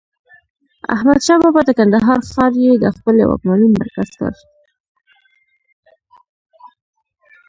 احمدشاه بابا د کندهار ښار يي د خپلې واکمنۍ مرکز کړ.